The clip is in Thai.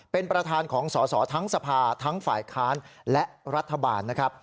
เป็นประธานของสอสอทั้งสภาทั้งฝ่ายค้านและรัฐบาลนะครับ